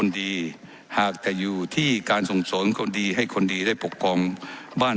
ดีหากจะอยู่ที่การส่งเสริมคนดีให้คนดีได้ปกครองบ้าน